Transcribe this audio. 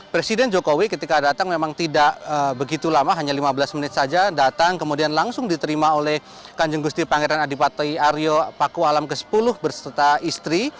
presiden jokowi ketika datang memang tidak begitu lama hanya lima belas menit saja datang kemudian langsung diterima oleh kanjeng gusti pangeran adipatoi aryo pakualam ke sepuluh berserta istri